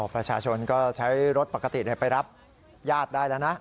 ประชาชนก็ใช้รถปกติไปรับญาติได้แล้วนะ